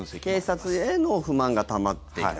警察への不満がたまっていた。